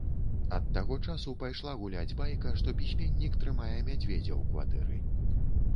Ад таго часу пайшла гуляць байка, што пісьменнік трымае мядзведзя ў кватэры.